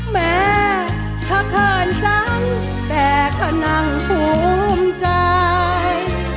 แม่เธอเขินจังแต่ก็นั่งภูมิใจ